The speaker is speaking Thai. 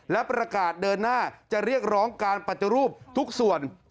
และประกาศเดินหน้าจะเรียกร้องการปฏิรูปทุกส่วน